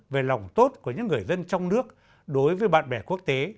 về lòng tốt của những người dân trong nước đối với bạn bè quốc tế